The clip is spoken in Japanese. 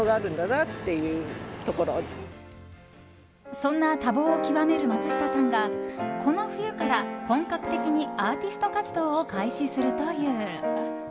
そんな多忙を極める松下さんがこの冬から本格的にアーティスト活動を開始するという。